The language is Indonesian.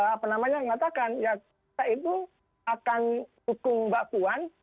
apa namanya mengatakan ya kita itu akan dukung mbak puan